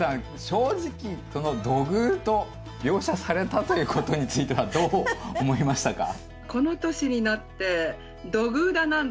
正直「土偶」と描写されたということについてはどう思いましたか？